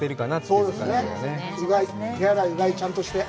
そうですね、手洗い、うがいをちゃんとして。